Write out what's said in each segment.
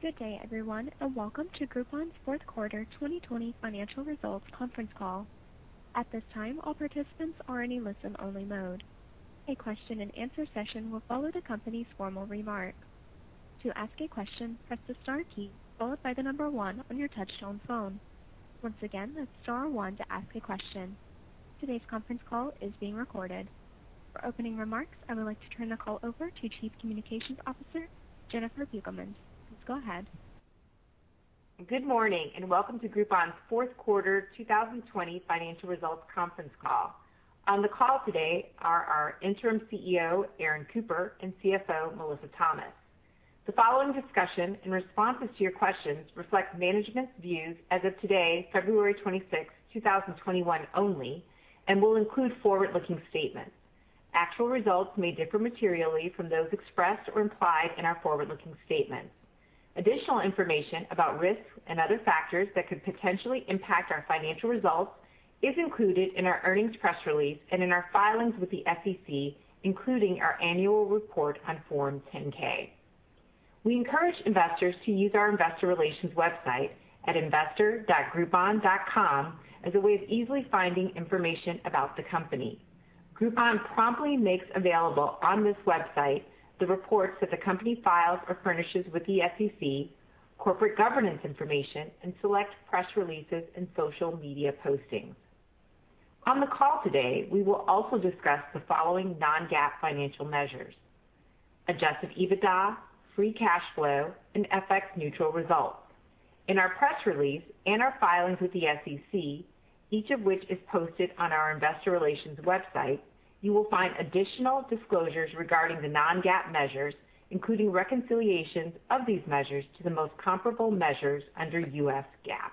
Good day, everyone, and welcome to Groupon's fourth quarter 2020 financial results conference call. At this time, all participants are in a listen-only mode. A question-and-answer session will follow the company's formal remark. To ask a question, press the star key, followed by the number one on your touch-tone phone. Once again, that's star one to ask a question. Today's conference call is being recorded. For opening remarks, I would like to turn the call over to Chief Communications Officer, Jennifer Beugelmans. Please go ahead. Good morning, and welcome to Groupon's fourth quarter 2020 financial results conference call. On the call today are our Interim CEO, Aaron Cooper, and CFO, Melissa Thomas. The following discussion and responses to your questions reflect management's views as of today, February 26, 2021, only, and will include forward-looking statements. Actual results may differ materially from those expressed or implied in our forward-looking statements. Additional information about risks and other factors that could potentially impact our financial results is included in our earnings press release and in our filings with the SEC, including our annual report on Form 10-K. We encourage investors to use our investor relations website at investor.groupon.com as a way of easily finding information about the company. Groupon promptly makes available on this website the reports that the company files or furnishes with the SEC, corporate governance information, and select press releases and social media postings. On the call today, we will also discuss the following non-GAAP financial measures: Adjusted EBITDA, free cash flow, and FX-neutral results. In our press release and our filings with the SEC, each of which is posted on our investor relations website, you will find additional disclosures regarding the non-GAAP measures, including reconciliations of these measures to the most comparable measures under US GAAP,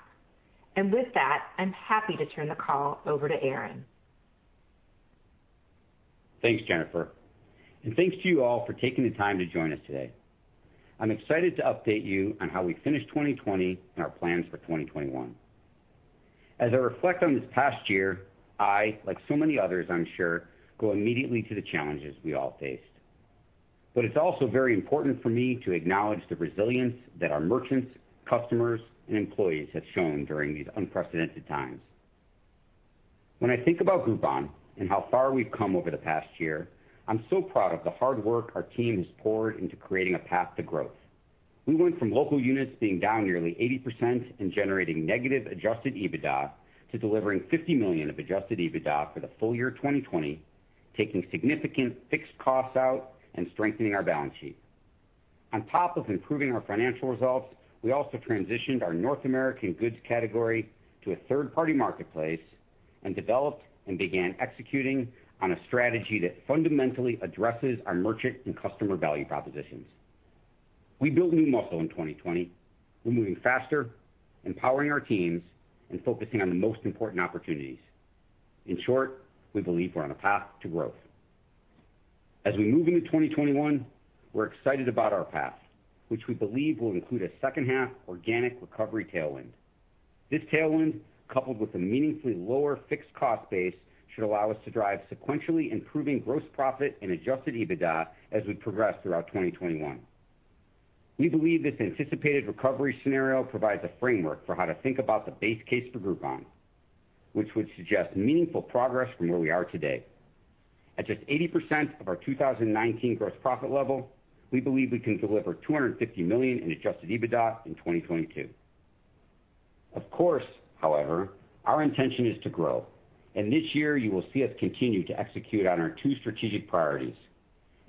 and with that, I'm happy to turn the call over to Aaron. Thanks, Jennifer. And thanks to you all for taking the time to join us today. I'm excited to update you on how we finished 2020 and our plans for 2021. As I reflect on this past year, I, like so many others, I'm sure, go immediately to the challenges we all faced. But it's also very important for me to acknowledge the resilience that our merchants, customers, and employees have shown during these unprecedented times. When I think about Groupon and how far we've come over the past year, I'm so proud of the hard work our team has poured into creating a path to growth. We went from local units being down nearly 80% and generating negative adjusted EBITDA to delivering $50 million of adjusted EBITDA for the full year 2020, taking significant fixed costs out and strengthening our balance sheet. On top of improving our financial results, we also transitioned our North American goods category to a third-party marketplace and developed and began executing on a strategy that fundamentally addresses our merchant and customer value propositions. We built new muscle in 2020, we're moving faster, empowering our teams, and focusing on the most important opportunities. In short, we believe we're on a path to growth. As we move into 2021, we're excited about our path, which we believe will include a second-half organic recovery tailwind. This tailwind, coupled with a meaningfully lower fixed cost base, should allow us to drive sequentially improving gross profit and Adjusted EBITDA as we progress throughout 2021. We believe this anticipated recovery scenario provides a framework for how to think about the base case for Groupon, which would suggest meaningful progress from where we are today. At just 80% of our 2019 gross profit level, we believe we can deliver $250 million in Adjusted EBITDA in 2022. Of course, however, our intention is to grow, and this year you will see us continue to execute on our two strategic priorities: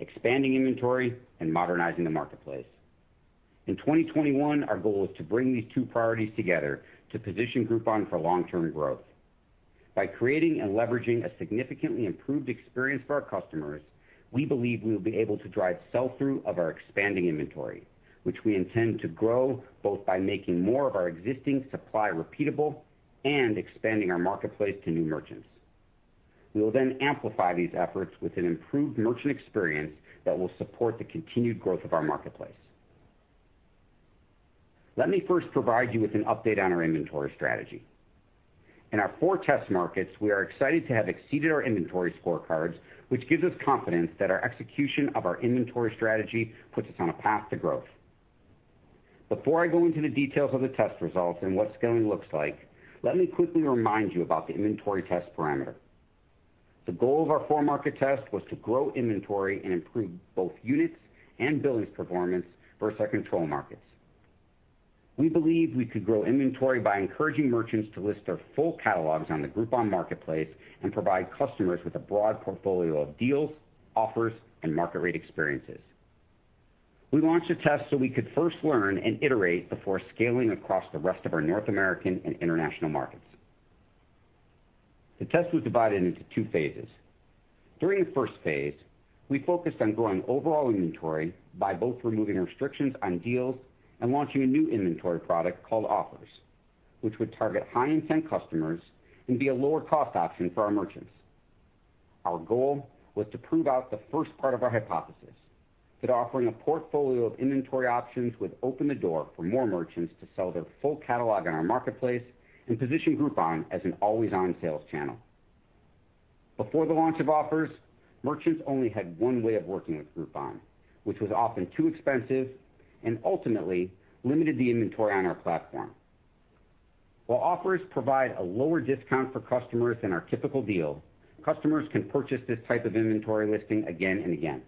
expanding inventory and modernizing the marketplace. In 2021, our goal is to bring these two priorities together to position Groupon for long-term growth. By creating and leveraging a significantly improved experience for our customers, we believe we will be able to drive sell-through of our expanding inventory, which we intend to grow both by making more of our existing supply repeatable and expanding our marketplace to new merchants. We will then amplify these efforts with an improved merchant experience that will support the continued growth of our marketplace. Let me first provide you with an update on our inventory strategy. In our four test markets, we are excited to have exceeded our inventory scorecards, which gives us confidence that our execution of our inventory strategy puts us on a path to growth. Before I go into the details of the test results and what scaling looks like, let me quickly remind you about the inventory test parameter. The goal of our four-market test was to grow inventory and improve both units and billings performance versus our control markets. We believe we could grow inventory by encouraging merchants to list their full catalogs on the Groupon marketplace and provide customers with a broad portfolio of deals, offers, and market rate experiences. We launched a test so we could first learn and iterate before scaling across the rest of our North American and international markets. The test was divided into two phases. During the first phase, we focused on growing overall inventory by both removing restrictions on deals and launching a new inventory product called Offers, which would target high-intent customers and be a lower-cost option for our merchants. Our goal was to prove out the first part of our hypothesis, that offering a portfolio of inventory options would open the door for more merchants to sell their full catalog on our marketplace and position Groupon as an always-on sales channel. Before the launch of Offers, merchants only had one way of working with Groupon, which was often too expensive and ultimately limited the inventory on our platform. While Offers provides a lower discount for customers than our typical deal, customers can purchase this type of inventory listing again and again.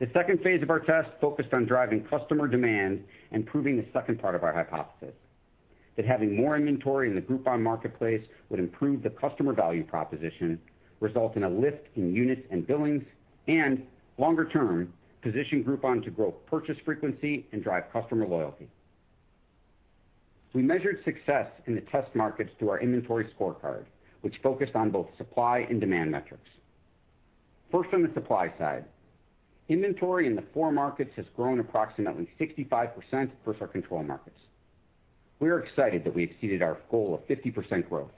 The second phase of our test focused on driving customer demand and proving the second part of our hypothesis, that having more inventory in the Groupon marketplace would improve the customer value proposition, result in a lift in units and billings, and longer-term, position Groupon to grow purchase frequency and drive customer loyalty. We measured success in the test markets through our inventory scorecard, which focused on both supply and demand metrics. First, on the supply side, inventory in the four markets has grown approximately 65% versus our control markets. We are excited that we exceeded our goal of 50% growth.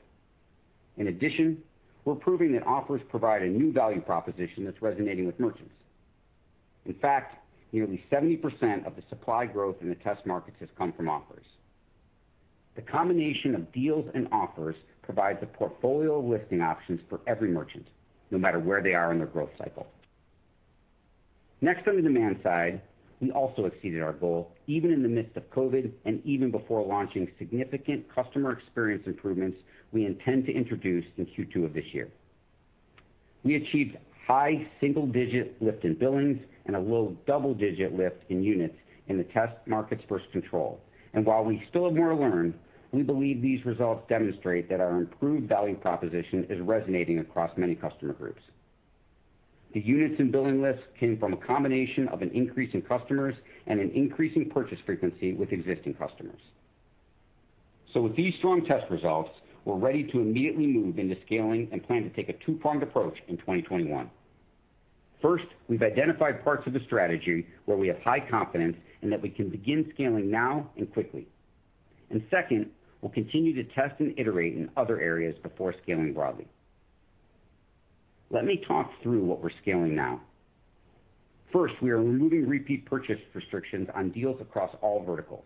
In addition, we're proving that Offers provide a new value proposition that's resonating with merchants. In fact, nearly 70% of the supply growth in the test markets has come from Offers. The combination of deals and Offers provides a portfolio of listing options for every merchant, no matter where they are in their growth cycle. Next, on the demand side, we also exceeded our goal, even in the midst of COVID and even before launching significant customer experience improvements we intend to introduce in Q2 of this year. We achieved high single-digit lift in billings and a low double-digit lift in units in the test markets versus control. And while we still have more to learn, we believe these results demonstrate that our improved value proposition is resonating across many customer groups. The units and billing lifts came from a combination of an increase in customers and an increase in purchase frequency with existing customers. So with these strong test results, we're ready to immediately move into scaling and plan to take a two-pronged approach in 2021. First, we've identified parts of the strategy where we have high confidence and that we can begin scaling now and quickly. And second, we'll continue to test and iterate in other areas before scaling broadly. Let me talk through what we're scaling now. First, we are removing repeat purchase restrictions on deals across all verticals.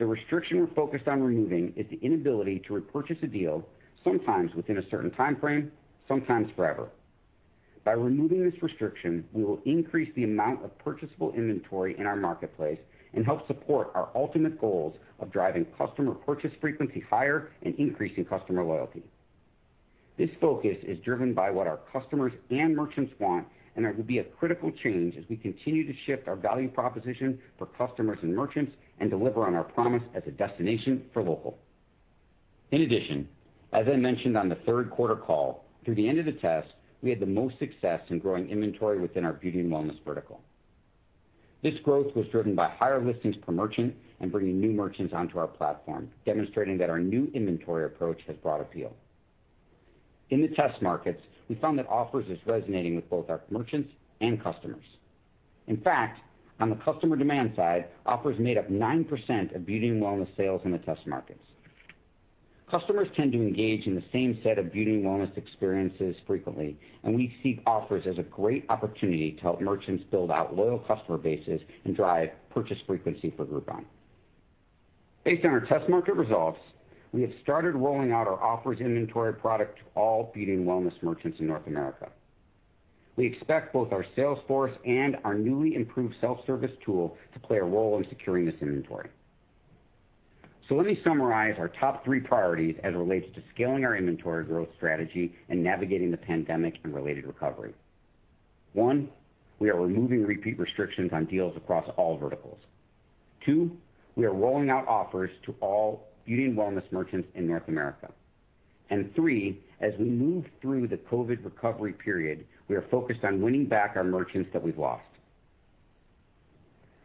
The restriction we're focused on removing is the inability to repurchase a deal, sometimes within a certain time frame, sometimes forever. By removing this restriction, we will increase the amount of purchasable inventory in our marketplace and help support our ultimate goals of driving customer purchase frequency higher and increasing customer loyalty. This focus is driven by what our customers and merchants want, and there will be a critical change as we continue to shift our value proposition for customers and merchants and deliver on our promise as a destination for local. In addition, as I mentioned on the third quarter call, through the end of the test, we had the most success in growing inventory within our beauty and wellness vertical. This growth was driven by higher listings per merchant and bringing new merchants onto our platform, demonstrating that our new inventory approach has brought appeal. In the test markets, we found that Offers is resonating with both our merchants and customers. In fact, on the customer demand side, Offers made up 9% of beauty and wellness sales in the test markets. Customers tend to engage in the same set of beauty and wellness experiences frequently, and we see Offers as a great opportunity to help merchants build out loyal customer bases and drive purchase frequency for Groupon. Based on our test market results, we have started rolling out our Offers inventory product to all beauty and wellness merchants in North America. We expect both our sales force and our newly improved self-service tool to play a role in securing this inventory. So let me summarize our top three priorities as it relates to scaling our inventory growth strategy and navigating the pandemic and related recovery. One, we are removing repeat restrictions on deals across all verticals. Two, we are rolling out Offers to all beauty and wellness merchants in North America. And three, as we move through the COVID recovery period, we are focused on winning back our merchants that we've lost.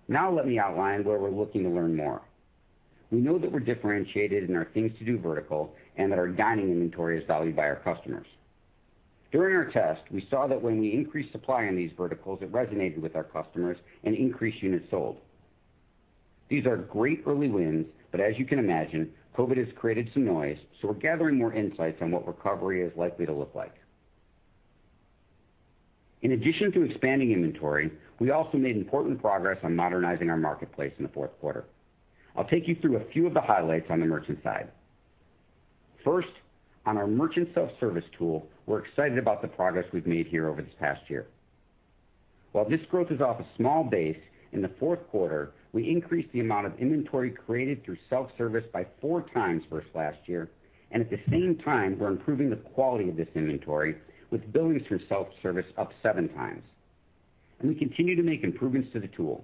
Now let me outline where we're looking to learn more. We know that we're differentiated in our things-to-do vertical and that our dining inventory is valued by our customers. During our test, we saw that when we increased supply on these verticals, it resonated with our customers and increased units sold. These are great early wins, but as you can imagine, COVID has created some noise, so we're gathering more insights on what recovery is likely to look like. In addition to expanding inventory, we also made important progress on modernizing our marketplace in the fourth quarter. I'll take you through a few of the highlights on the merchant side. First, on our merchant self-service tool, we're excited about the progress we've made here over this past year. While this growth is off a small base, in the fourth quarter, we increased the amount of inventory created through self-service by four times versus last year, and at the same time, we're improving the quality of this inventory, with billings from self-service up seven times. We continue to make improvements to the tool.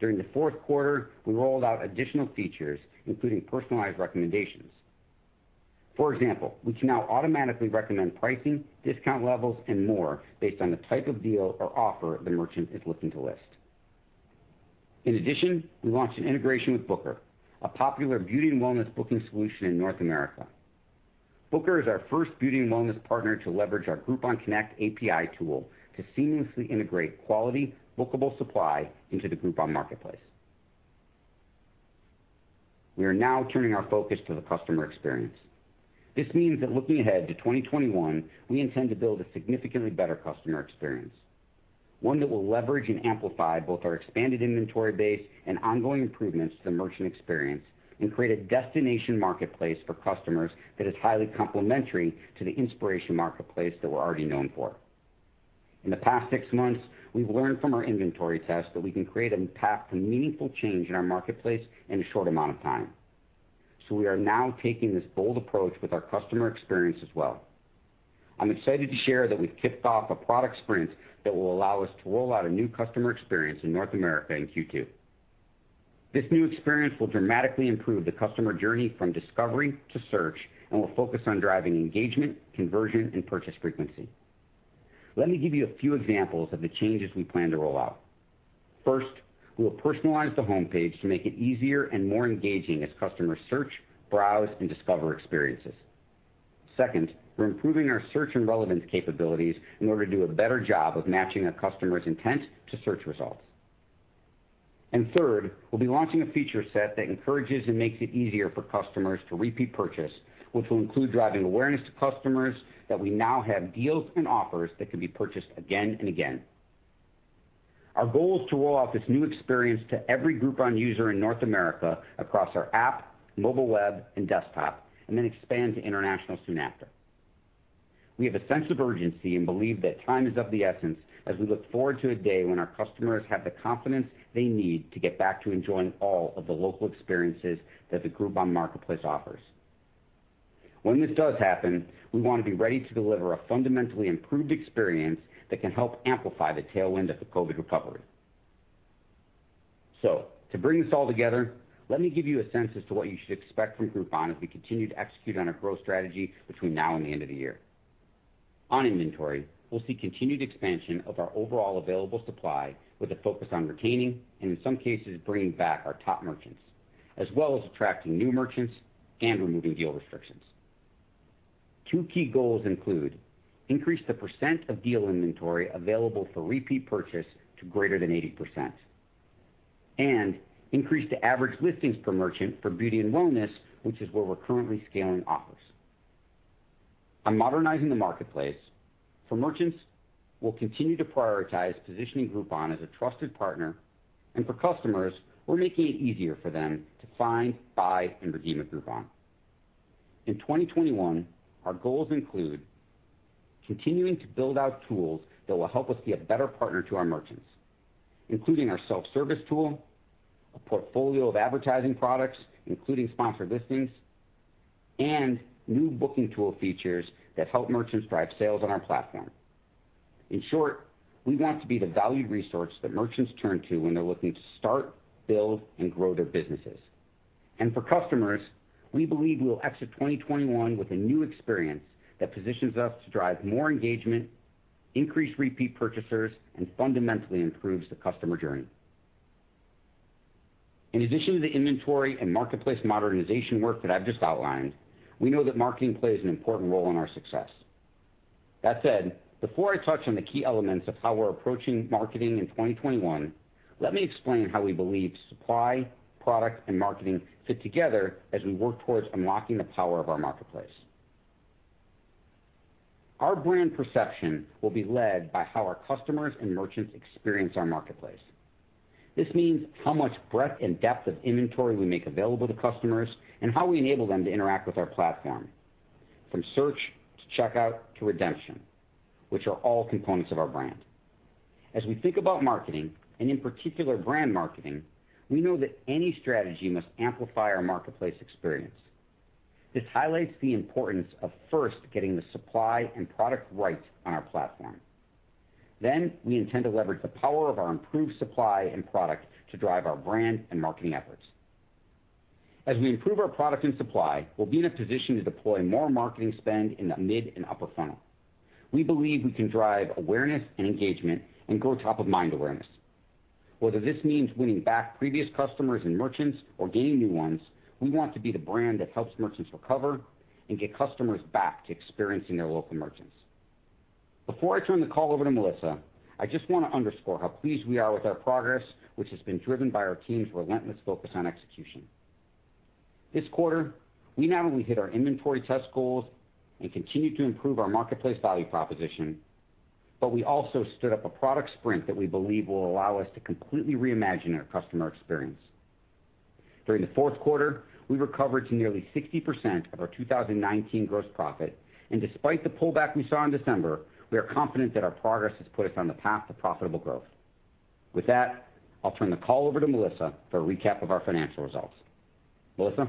During the fourth quarter, we rolled out additional features, including personalized recommendations. For example, we can now automatically recommend pricing, discount levels, and more based on the type of deal or offer the merchant is looking to list. In addition, we launched an integration with Booker, a popular beauty and wellness booking solution in North America. Booker is our first beauty and wellness partner to leverage our Groupon Connect API tool to seamlessly integrate quality bookable supply into the Groupon marketplace. We are now turning our focus to the customer experience. This means that looking ahead to 2021, we intend to build a significantly better customer experience, one that will leverage and amplify both our expanded inventory base and ongoing improvements to the merchant experience and create a destination marketplace for customers that is highly complementary to the inspiration marketplace that we're already known for. In the past six months, we've learned from our inventory test that we can create a path to meaningful change in our marketplace in a short amount of time. So we are now taking this bold approach with our customer experience as well. I'm excited to share that we've kicked off a product sprint that will allow us to roll out a new customer experience in North America in Q2. This new experience will dramatically improve the customer journey from discovery to search and will focus on driving engagement, conversion, and purchase frequency. Let me give you a few examples of the changes we plan to roll out. First, we will personalize the homepage to make it easier and more engaging as customers search, browse, and discover experiences. Second, we're improving our search and relevance capabilities in order to do a better job of matching a customer's intent to search results. And third, we'll be launching a feature set that encourages and makes it easier for customers to repeat purchase, which will include driving awareness to customers that we now have deals and offers that can be purchased again and again. Our goal is to roll out this new experience to every Groupon user in North America across our app, mobile web, and desktop, and then expand to international soon after. We have a sense of urgency and believe that time is of the essence as we look forward to a day when our customers have the confidence they need to get back to enjoying all of the local experiences that the Groupon marketplace offers. When this does happen, we want to be ready to deliver a fundamentally improved experience that can help amplify the tailwind of the COVID recovery. To bring this all together, let me give you a sense as to what you should expect from Groupon as we continue to execute on our growth strategy between now and the end of the year. On inventory, we'll see continued expansion of our overall available supply with a focus on retaining and, in some cases, bringing back our top merchants, as well as attracting new merchants and removing deal restrictions. Two key goals include increase the percent of deal inventory available for repeat purchase to greater than 80% and increase the average listings per merchant for beauty and wellness, which is where we're currently scaling Offers. On modernizing the marketplace, for merchants, we'll continue to prioritize positioning Groupon as a trusted partner, and for customers, we're making it easier for them to find, buy, and redeem at Groupon. In 2021, our goals include continuing to build out tools that will help us be a better partner to our merchants, including our self-service tool, a portfolio of advertising products, including Sponsored Listings, and new booking tool features that help merchants drive sales on our platform. In short, we want to be the valued resource that merchants turn to when they're looking to start, build, and grow their businesses. For customers, we believe we'll exit 2021 with a new experience that positions us to drive more engagement, increase repeat purchasers, and fundamentally improve the customer journey. In addition to the inventory and marketplace modernization work that I've just outlined, we know that marketing plays an important role in our success. That said, before I touch on the key elements of how we're approaching marketing in 2021, let me explain how we believe supply, product, and marketing fit together as we work towards unlocking the power of our marketplace. Our brand perception will be led by how our customers and merchants experience our marketplace. This means how much breadth and depth of inventory we make available to customers and how we enable them to interact with our platform, from search to checkout to redemption, which are all components of our brand. As we think about marketing, and in particular brand marketing, we know that any strategy must amplify our marketplace experience. This highlights the importance of first getting the supply and product right on our platform. Then, we intend to leverage the power of our improved supply and product to drive our brand and marketing efforts. As we improve our product and supply, we'll be in a position to deploy more marketing spend in the mid and upper funnel. We believe we can drive awareness and engagement and grow top-of-mind awareness. Whether this means winning back previous customers and merchants or gaining new ones, we want to be the brand that helps merchants recover and get customers back to experiencing their local merchants. Before I turn the call over to Melissa, I just want to underscore how pleased we are with our progress, which has been driven by our team's relentless focus on execution. This quarter, we not only hit our inventory test goals and continued to improve our marketplace value proposition, but we also stood up a product sprint that we believe will allow us to completely reimagine our customer experience. During the fourth quarter, we recovered to nearly 60% of our 2019 gross profit, and despite the pullback we saw in December, we are confident that our progress has put us on the path to profitable growth. With that, I'll turn the call over to Melissa for a recap of our financial results. Melissa?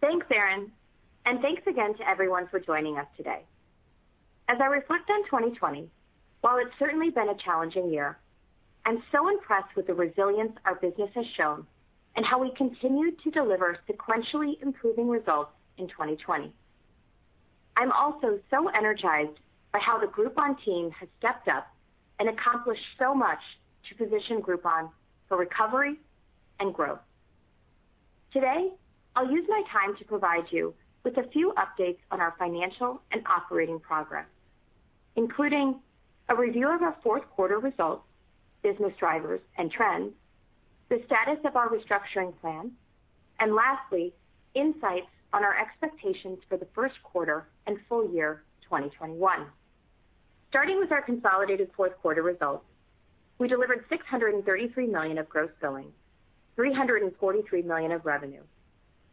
Thanks, Aaron. And thanks again to everyone for joining us today. As I reflect on 2020, while it's certainly been a challenging year, I'm so impressed with the resilience our business has shown and how we continue to deliver sequentially improving results in 2020. I'm also so energized by how the Groupon team has stepped up and accomplished so much to position Groupon for recovery and growth. Today, I'll use my time to provide you with a few updates on our financial and operating progress, including a review of our fourth quarter results, business drivers and trends, the status of our restructuring plan, and lastly, insights on our expectations for the first quarter and full year 2021. Starting with our consolidated fourth quarter results, we delivered $633 million of gross billings, $343 million of revenue,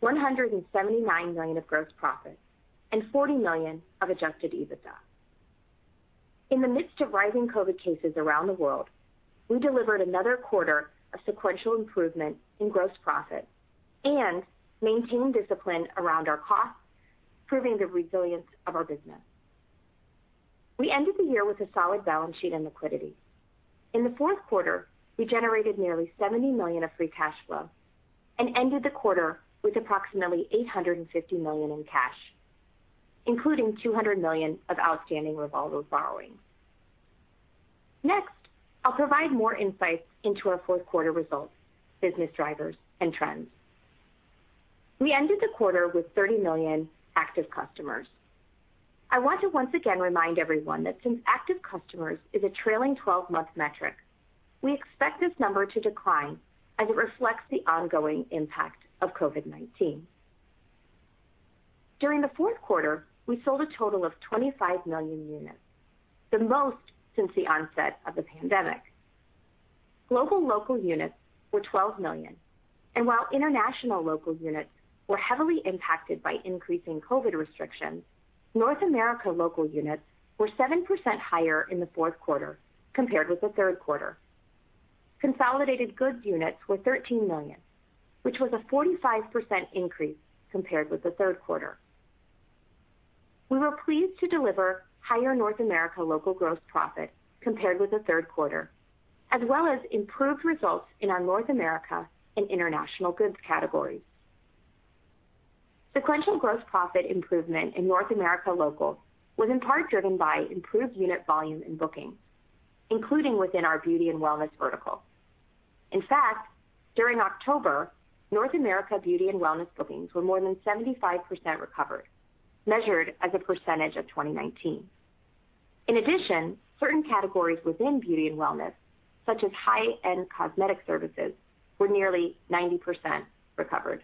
$179 million of gross profit, and $40 million of Adjusted EBITDA. In the midst of rising COVID cases around the world, we delivered another quarter of sequential improvement in gross profit and maintained discipline around our costs, proving the resilience of our business. We ended the year with a solid balance sheet and liquidity. In the fourth quarter, we generated nearly $70 million of free cash flow and ended the quarter with approximately $850 million in cash, including $200 million of outstanding revolving borrowing. Next, I'll provide more insights into our fourth quarter results, business drivers, and trends. We ended the quarter with 30 million active customers. I want to once again remind everyone that since active customers is a trailing 12-month metric, we expect this number to decline as it reflects the ongoing impact of COVID-19. During the fourth quarter, we sold a total of 25 million units, the most since the onset of the pandemic. Global local units were 12 million, and while international local units were heavily impacted by increasing COVID restrictions, North America local units were 7% higher in the fourth quarter compared with the third quarter. Consolidated goods units were 13 million, which was a 45% increase compared with the third quarter. We were pleased to deliver higher North America local gross profit compared with the third quarter, as well as improved results in our North America and international goods categories. Sequential gross profit improvement in North America local was in part driven by improved unit volume and bookings, including within our beauty and wellness vertical. In fact, during October, North America beauty and wellness bookings were more than 75% recovered, measured as a percentage of 2019. In addition, certain categories within beauty and wellness, such as high-end cosmetic services, were nearly 90% recovered.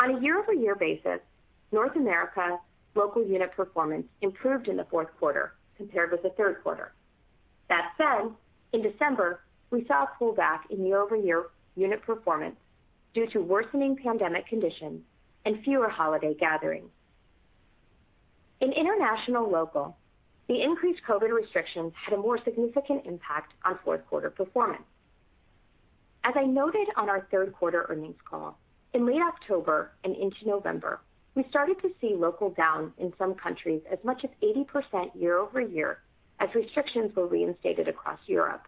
On a year-over-year basis, North America local unit performance improved in the fourth quarter compared with the third quarter. That said, in December, we saw a pullback in year-over-year unit performance due to worsening pandemic conditions and fewer holiday gatherings. In international local, the increased COVID restrictions had a more significant impact on fourth quarter performance. As I noted on our third quarter earnings call, in late October and into November, we started to see local down in some countries as much as 80% year-over-year as restrictions were reinstated across Europe.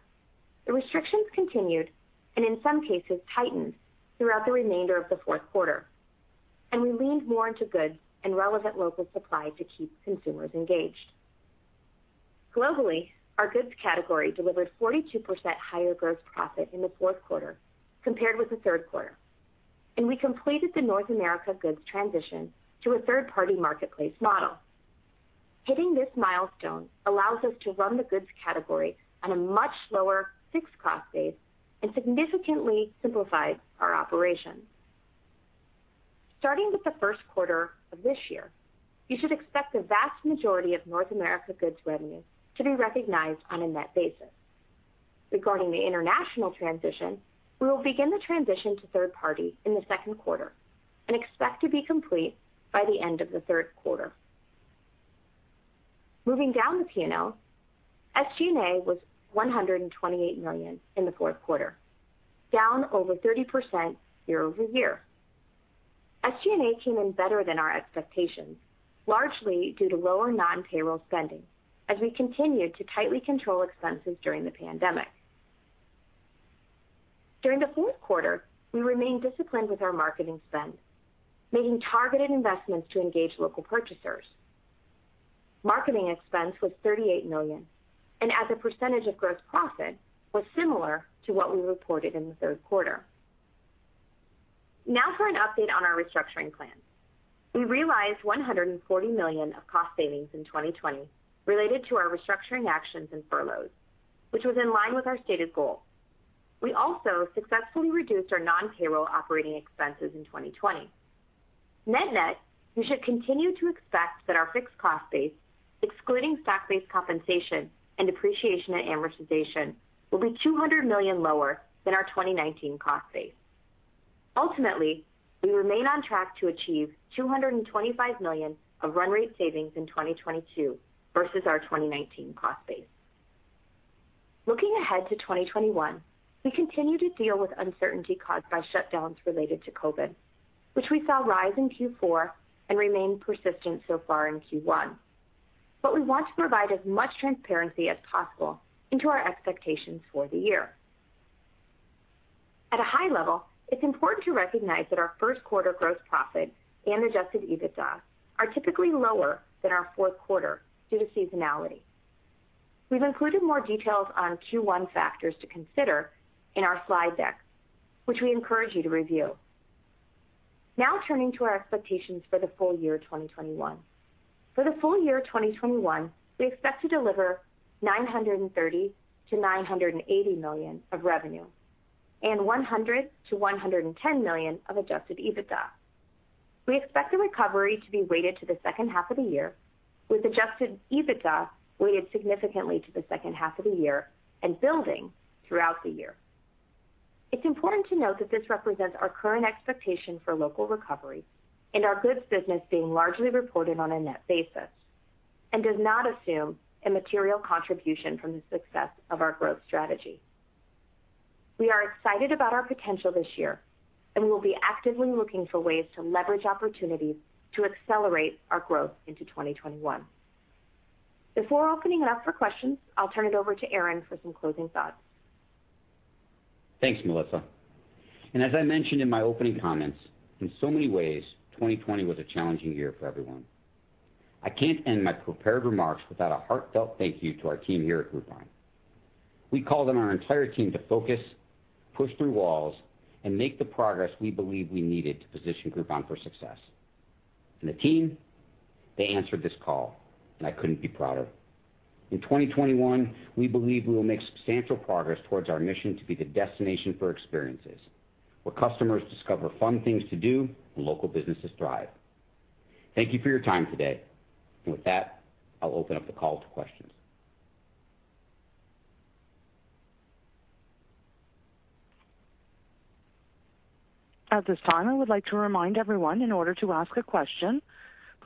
The restrictions continued and, in some cases, tightened throughout the remainder of the fourth quarter, and we leaned more into goods and relevant local supply to keep consumers engaged. Globally, our goods category delivered 42% higher gross profit in the fourth quarter compared with the third quarter, and we completed the North America goods transition to a third-party marketplace model. Hitting this milestone allows us to run the goods category on a much lower fixed cost base and significantly simplifies our operation. Starting with the first quarter of this year, you should expect the vast majority of North America goods revenue to be recognized on a net basis. Regarding the international transition, we will begin the transition to third-party in the second quarter and expect to be complete by the end of the third quarter. Moving down the P&L, SG&A was $128 million in the fourth quarter, down over 30% year-over-year. SG&A came in better than our expectations, largely due to lower non-payroll spending as we continued to tightly control expenses during the pandemic. During the fourth quarter, we remained disciplined with our marketing spend, making targeted investments to engage local purchasers. Marketing expense was $38 million, and as a percentage of gross profit, was similar to what we reported in the third quarter. Now for an update on our restructuring plan. We realized $140 million of cost savings in 2020 related to our restructuring actions and furloughs, which was in line with our stated goal. We also successfully reduced our non-payroll operating expenses in 2020. Net-net, you should continue to expect that our fixed cost base, excluding stock-based compensation and depreciation and amortization, will be $200 million lower than our 2019 cost base. Ultimately, we remain on track to achieve $225 million of run rate savings in 2022 versus our 2019 cost base. Looking ahead to 2021, we continue to deal with uncertainty caused by shutdowns related to COVID, which we saw rise in Q4 and remain persistent so far in Q1. But we want to provide as much transparency as possible into our expectations for the year. At a high level, it's important to recognize that our first quarter gross profit and Adjusted EBITDA are typically lower than our fourth quarter due to seasonality. We've included more details on Q1 factors to consider in our slide deck, which we encourage you to review. Now turning to our expectations for the full year 2021. For the full year 2021, we expect to deliver $930 million-$980 million of revenue and $100 million-$110 million of Adjusted EBITDA. We expect the recovery to be weighted to the second half of the year, with Adjusted EBITDA weighted significantly to the second half of the year and building throughout the year. It's important to note that this represents our current expectation for local recovery and our goods business being largely reported on a net basis and does not assume a material contribution from the success of our growth strategy. We are excited about our potential this year, and we will be actively looking for ways to leverage opportunities to accelerate our growth into 2021. Before opening it up for questions, I'll turn it over to Aaron for some closing thoughts. Thanks, Melissa. And as I mentioned in my opening comments, in so many ways, 2020 was a challenging year for everyone. I can't end my prepared remarks without a heartfelt thank you to our team here at Groupon. We called on our entire team to focus, push through walls, and make the progress we believe we needed to position Groupon for success, and the team, they answered this call, and I couldn't be prouder. In 2021, we believe we will make substantial progress towards our mission to be the destination for experiences where customers discover fun things to do and local businesses thrive. Thank you for your time today, and with that, I'll open up the call to questions. At this time, I would like to remind everyone, in order to ask a question,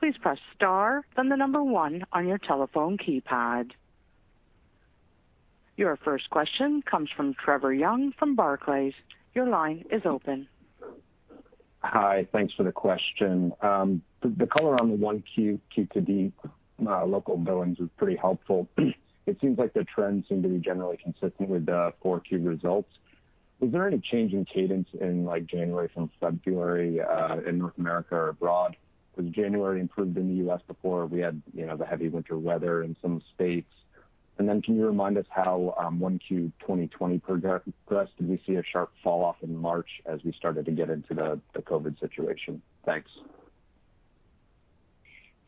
please press star, then the number one on your telephone keypad. Your first question comes from Trevor Young from Barclays. Your line is open. Hi, thanks for the question. The color on the 1Q-to-date local billings was pretty helpful. It seems like the trends seem to be generally consistent with the Q4 results. Was there any change in cadence in January from February in North America or abroad? Was January improved in the US before we had the heavy winter weather in some states? And then can you remind us how Q1 2020 progressed? Did we see a sharp falloff in March as we started to get into the COVID situation? Thanks.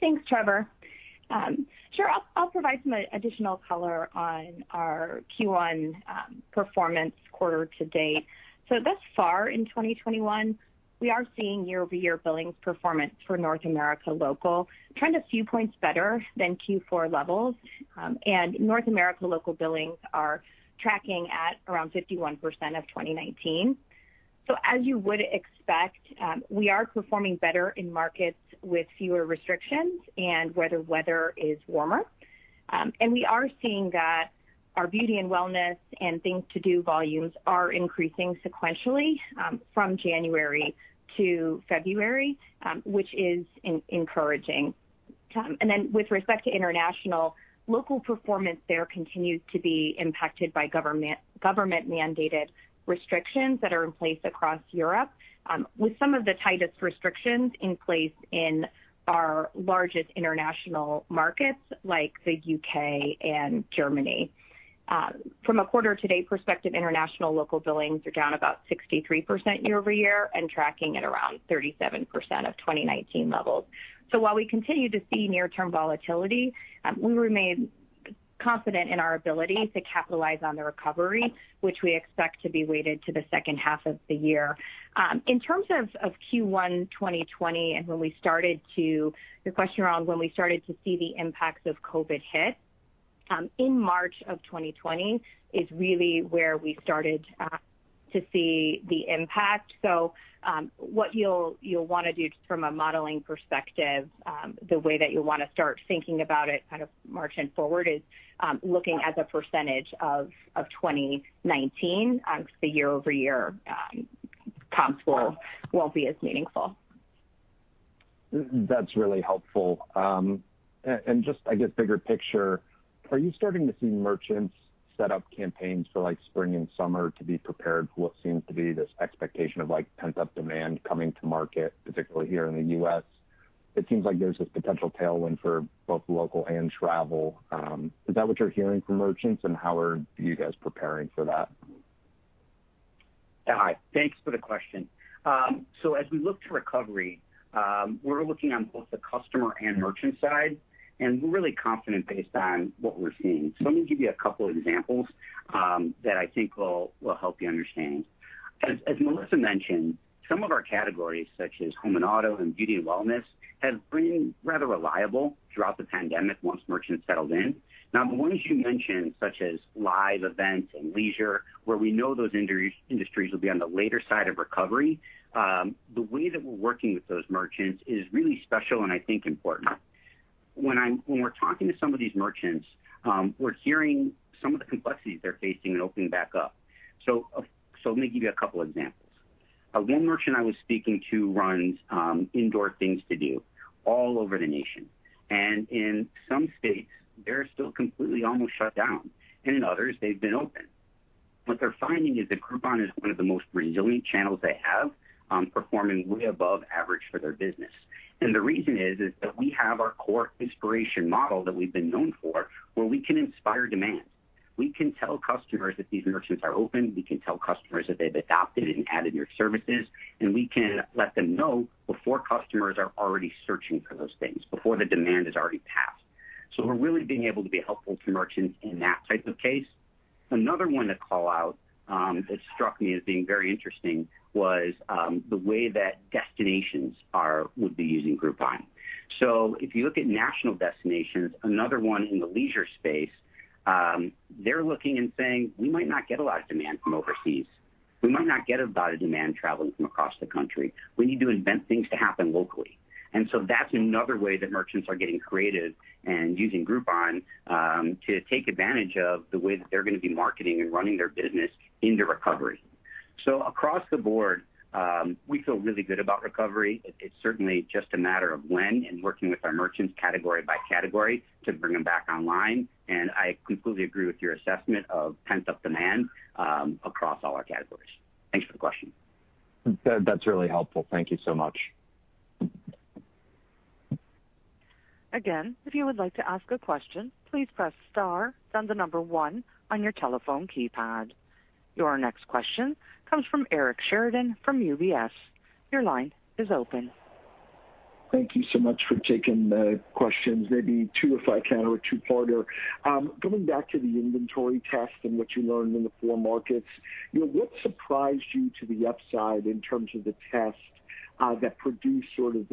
Thanks, Trevor. Sure, I'll provide some additional color on our Q1 performance quarter to date. Thus far in 2021, we are seeing year-over-year billings performance for North America local trend a few points better than Q4 levels. And North America local billings are tracking at around 51% of 2019. So as you would expect, we are performing better in markets with fewer restrictions and where the weather is warmer. We are seeing that our beauty and wellness and things to do volumes are increasing sequentially from January to February, which is encouraging. Then with respect to international local performance, there continues to be impacted by government-mandated restrictions that are in place across Europe, with some of the tightest restrictions in place in our largest international markets like the U.K. and Germany. From a quarter-to-date perspective, international local billings are down about 63% year-over-year and tracking at around 37% of 2019 levels. While we continue to see near-term volatility, we remain confident in our ability to capitalize on the recovery, which we expect to be weighted to the second half of the year. In terms of Q1 2020 and when we started to, your question around when we started to see the impacts of COVID hit in March of 2020 is really where we started to see the impact. So what you'll want to do from a modeling perspective, the way that you'll want to start thinking about it kind of marching forward is looking at the percentage of 2019, the year-over-year comps will be as meaningful. That's really helpful, and just, I guess, bigger picture, are you starting to see merchants set up campaigns for spring and summer to be prepared for what seems to be this expectation of pent-up demand coming to market, particularly here in the U.S.? It seems like there's this potential tailwind for both local and travel. Is that what you're hearing from merchants, and how are you guys preparing for that? Hi, thanks for the question. So as we look to recovery, we're looking on both the customer and merchant side, and we're really confident based on what we're seeing. So let me give you a couple of examples that I think will help you understand. As Melissa mentioned, some of our categories, such as home and auto and beauty and wellness, have been rather reliable throughout the pandemic once merchants settled in. Now, the ones you mentioned, such as live events and leisure, where we know those industries will be on the later side of recovery, the way that we're working with those merchants is really special and I think important. When we're talking to some of these merchants, we're hearing some of the complexities they're facing in opening back up. So let me give you a couple of examples. One merchant I was speaking to runs indoor things to do all over the nation. In some states, they're still completely almost shut down, and in others, they've been open. What they're finding is that Groupon is one of the most resilient channels they have, performing way above average for their business. The reason is that we have our core inspiration model that we've been known for, where we can inspire demand. We can tell customers that these merchants are open. We can tell customers that they've adopted and added new services, and we can let them know before customers are already searching for those things, before the demand has already passed. We're really being able to be helpful to merchants in that type of case. Another one to call out that struck me as being very interesting was the way that destinations would be using Groupon. So if you look at national destinations, another one in the leisure space, they're looking and saying, "We might not get a lot of demand from overseas. We might not get a lot of demand traveling from across the country. We need to invent things to happen locally." And so that's another way that merchants are getting creative and using Groupon to take advantage of the way that they're going to be marketing and running their business into recovery. So across the board, we feel really good about recovery. It's certainly just a matter of when and working with our merchants category by category to bring them back online. And I completely agree with your assessment of pent-up demand across all our categories. Thanks for the question. That's really helpful. Thank you so much. Again, if you would like to ask a question, please press star, then the number one on your telephone keypad. Your next question comes from Eric Sheridan from UBS. Your line is open. Thank you so much for taking the questions, maybe two if I can or two-parter. Going back to the inventory test and what you learned in the four markets, what surprised you to the upside in terms of the test that produced sort of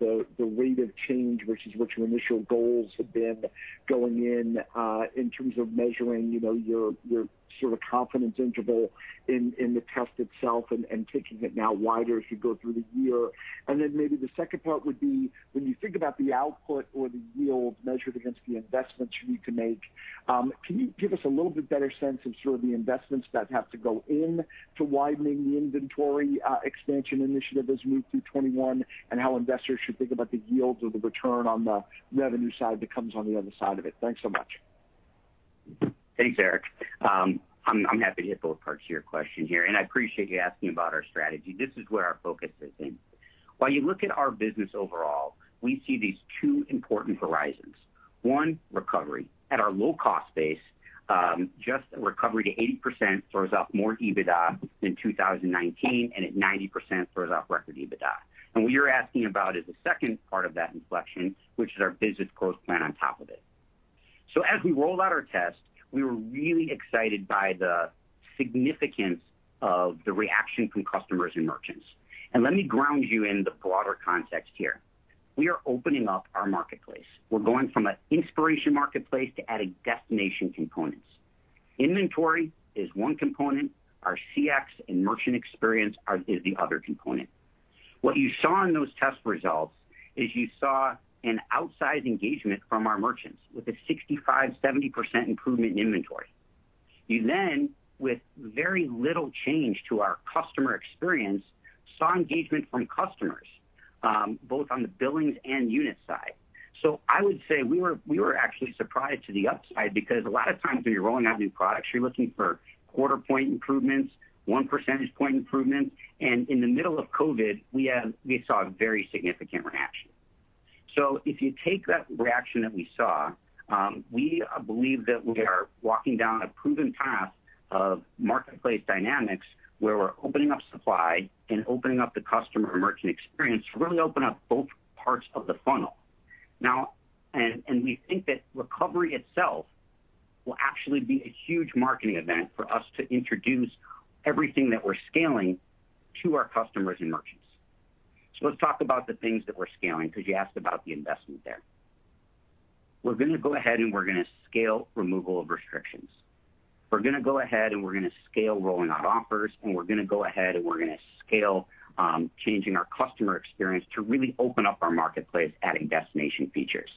the weight of change versus what your initial goals had been going in in terms of measuring your sort of confidence interval in the test itself and taking it now wider as we go through the year? And then maybe the second part would be when you think about the output or the yield measured against the investments you need to make, can you give us a little bit better sense of sort of the investments that have to go into widening the inventory expansion initiative as we move through 2021 and how investors should think about the yields or the return on the revenue side that comes on the other side of it? Thanks so much. Thanks, Eric. I'm happy to hear both parts of your question here, and I appreciate you asking about our strategy. This is where our focus is in. While you look at our business overall, we see these two important horizons. One, recovery. At our low-cost base, just a recovery to 80% throws off more EBITDA than 2019, and at 90% throws off record EBITDA. What you're asking about is the second part of that inflection, which is our business growth plan on top of it. So as we roll out our test, we were really excited by the significance of the reaction from customers and merchants. Let me ground you in the broader context here. We are opening up our marketplace. We're going from an inspiration marketplace to adding destination components. Inventory is one component. Our CX and merchant experience is the other component. What you saw in those test results is you saw an outsized engagement from our merchants with a 65%-70% improvement in inventory. You then, with very little change to our customer experience, saw engagement from customers both on the billings and unit side. So I would say we were actually surprised to the upside because a lot of times when you're rolling out new products, you're looking for quarter-point improvements, one percentage point improvements. And in the middle of COVID, we saw a very significant reaction. So if you take that reaction that we saw, we believe that we are walking down a proven path of marketplace dynamics where we're opening up supply and opening up the customer merchant experience to really open up both parts of the funnel. And we think that recovery itself will actually be a huge marketing event for us to introduce everything that we're scaling to our customers and merchants. So let's talk about the things that we're scaling because you asked about the investment there. We're going to go ahead and we're going to scale removal of restrictions. We're going to go ahead and we're going to scale rolling out offers, and we're going to go ahead and we're going to scale changing our customer experience to really open up our marketplace, adding destination features.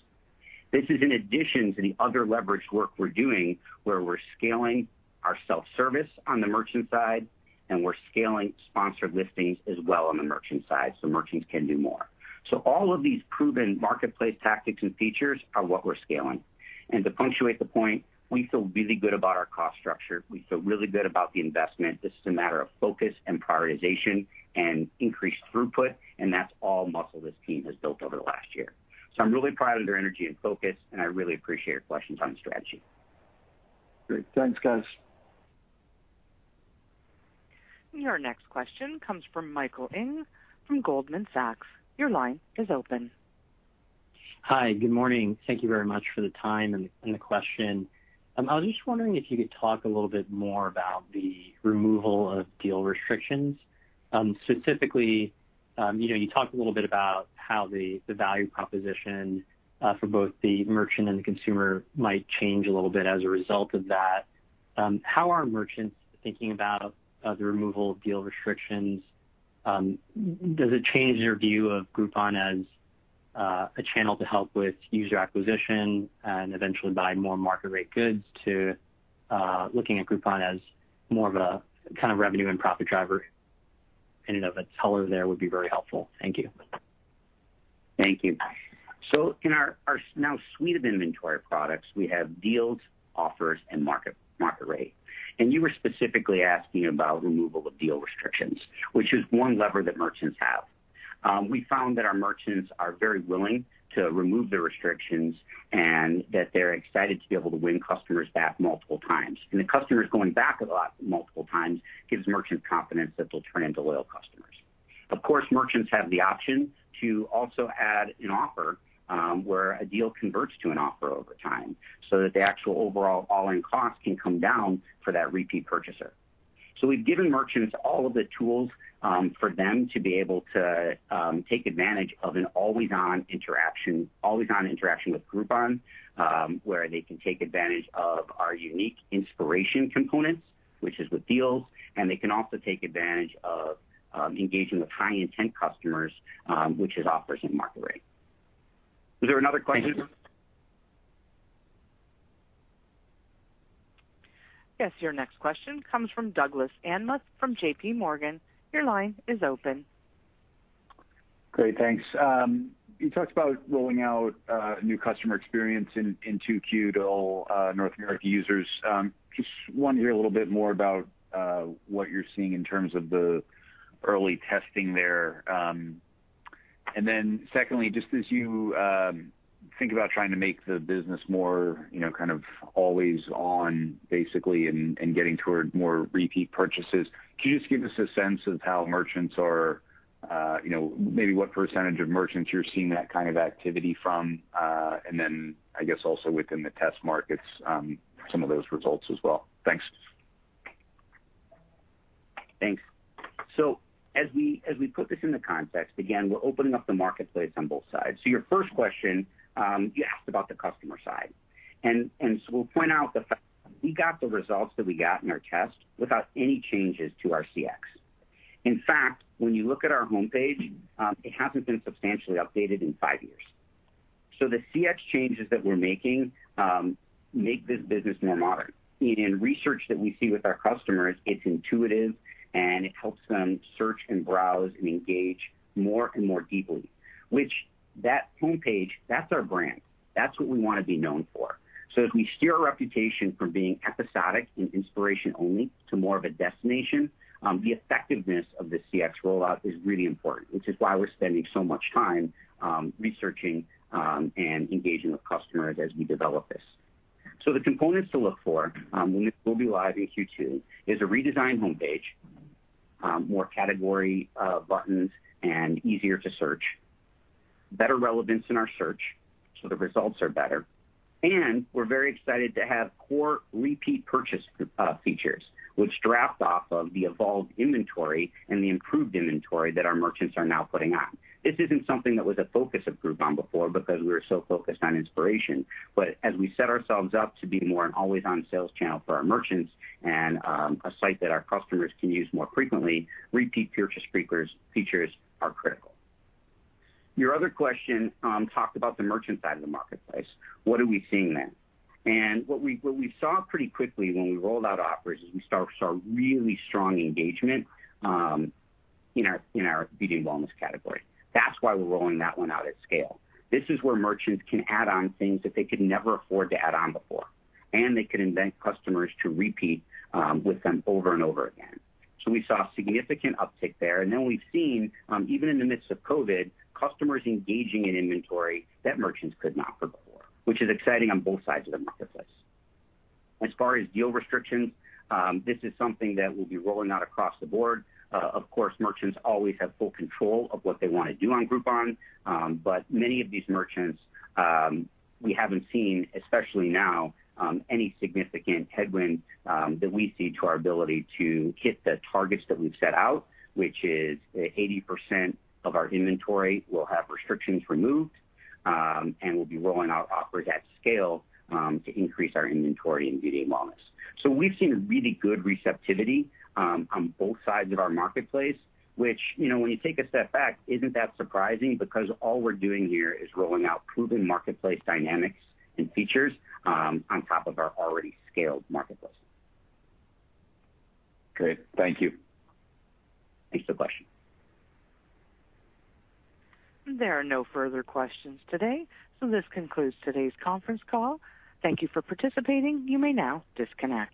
This is in addition to the other leveraged work we're doing where we're scaling our self-service on the merchant side, and we're scaling sponsored listings as well on the merchant side so merchants can do more. So all of these proven marketplace tactics and features are what we're scaling. And to punctuate the point, we feel really good about our cost structure. We feel really good about the investment. This is a matter of focus and prioritization and increased throughput, and that's all muscle this team has built over the last year. So I'm really proud of their energy and focus, and I really appreciate your questions on the strategy. Great. Thanks, guys. Your next question comes from Michael Ng from Goldman Sachs. Your line is open. Hi, good morning. Thank you very much for the time and the question. I was just wondering if you could talk a little bit more about the removal of deal restrictions. Specifically, you talked a little bit about how the value proposition for both the merchant and the consumer might change a little bit as a result of that. How are merchants thinking about the removal of deal restrictions? Does it change their view of Groupon as a channel to help with user acquisition and eventually buy more market-rate goods to looking at Groupon as more of a kind of revenue and profit driver? And if you could elaborate there, it would be very helpful. Thank you. Thank you. So in our new suite of inventory products, we have deals, offers, and market rate. You were specifically asking about removal of deal restrictions, which is one lever that merchants have. We found that our merchants are very willing to remove the restrictions and that they're excited to be able to win customers back multiple times. The customers going back a lot multiple times gives merchants confidence that they'll turn into loyal customers. Of course, merchants have the option to also add an offer where a deal converts to an offer over time so that the actual overall all-in cost can come down for that repeat purchaser. We've given merchants all of the tools for them to be able to take advantage of an always-on interaction with Groupon where they can take advantage of our unique inspiration components, which is with deals, and they can also take advantage of engaging with high-intent customers, which is offers and market rate. Was there another question? Yes, your next question comes from Douglas Anmuth from JPMorgan. Your line is open. Great, thanks. You talked about rolling out new customer experience in Q2 to all North America users. Just want to hear a little bit more about what you're seeing in terms of the early testing there. And then secondly, just as you think about trying to make the business more kind of always-on, basically, and getting toward more repeat purchases, could you just give us a sense of how merchants are maybe what percentage of merchants you're seeing that kind of activity from? And then, I guess, also within the test markets, some of those results as well. Thanks. Thanks. So as we put this in the context, again, we're opening up the marketplace on both sides. So your first question, you asked about the customer side. We'll point out the fact that we got the results that we got in our test without any changes to our CX. In fact, when you look at our homepage, it hasn't been substantially updated in five years. The CX changes that we're making make this business more modern. In research that we see with our customers, it's intuitive, and it helps them search and browse and engage more and more deeply, which that homepage, that's our brand. That's what we want to be known for. As we steer our reputation from being episodic and inspiration only to more of a destination, the effectiveness of the CX rollout is really important, which is why we're spending so much time researching and engaging with customers as we develop this. So the components to look for when this will be live in Q2 is a redesigned homepage, more category buttons and easier to search, better relevance in our search so the results are better. And we're very excited to have core repeat purchase features, which draw off of the evolved inventory and the improved inventory that our merchants are now putting on. This isn't something that was a focus of Groupon before because we were so focused on inspiration. But as we set ourselves up to be more an always-on sales channel for our merchants and a site that our customers can use more frequently, repeat purchase features are critical. Your other question talked about the merchant side of the marketplace. What are we seeing there? And what we saw pretty quickly when we rolled out Offers is we saw really strong engagement in our beauty and wellness category. That's why we're rolling that one out at scale. This is where merchants can add on things that they could never afford to add on before, and they could incent customers to repeat with them over and over again, so we saw significant uptick there, and then we've seen, even in the midst of COVID, customers engaging in inventory that merchants could not before, which is exciting on both sides of the marketplace. As far as deal restrictions, this is something that we'll be rolling out across the board. Of course, merchants always have full control of what they want to do on Groupon. But many of these merchants, we haven't seen, especially now, any significant headwind that we see to our ability to hit the targets that we've set out, which is 80% of our inventory will have restrictions removed, and we'll be rolling out offers at scale to increase our inventory and beauty and wellness. So we've seen really good receptivity on both sides of our marketplace, which when you take a step back, isn't that surprising because all we're doing here is rolling out proven marketplace dynamics and features on top of our already scaled marketplace. Great. Thank you. Thanks for the question. There are no further questions today, so this concludes today's conference call. Thank you for participating. You may now disconnect.